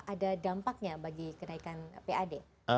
ada dampaknya bagi kenaikan pad